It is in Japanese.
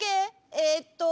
えっと。